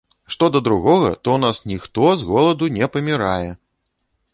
Што да другога, то ў нас ніхто з голаду не памірае!